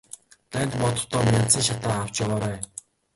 Дайнд мордохдоо мяндсан шатаа авч яваарай.